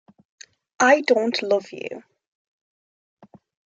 I don’t love you!